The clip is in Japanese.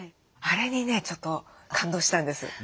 あれにねちょっと感動したんです。